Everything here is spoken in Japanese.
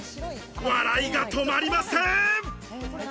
笑いが止まりません。